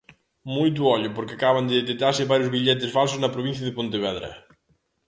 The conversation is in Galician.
Moito ollo porque acaban de detectarse varios billetes falsos na provincia de Pontevedra.